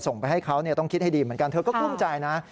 ส่งไปให้เขาต้องคิดให้ดีเหมือนกันเธอก็กลุ้มใจนะ